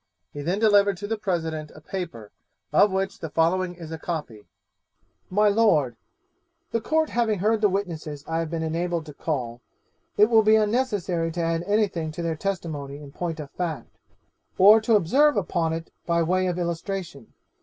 He then delivered to the president a paper, of which the following is a copy: 'My Lord, the Court having heard the witnesses I have been enabled to call, it will be unnecessary to add anything to their testimony in point of fact, or to observe upon it by way of illustration.